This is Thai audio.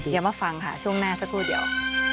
เดี๋ยวมาฟังค่ะช่วงหน้าสักครู่เดียว